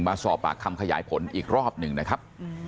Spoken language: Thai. มาสอบปากคำขยายผลอีกรอบหนึ่งนะครับ